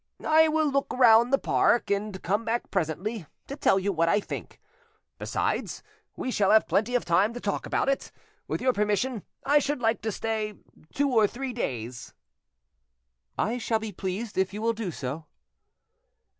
I will look round the park, and come back presently to tell you what I think. Besides, we shall have plenty of time to talk about it. With your permission, I should like to stay two or three days." "I shall be pleased if you will do so."